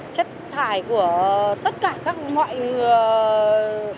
chất thải của tất cả các loại người